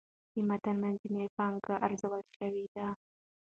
د متن منځپانګه ارزول شوې ده.